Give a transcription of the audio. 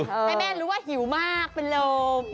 ให้แม่รู้ว่าหิวมากเป็นลม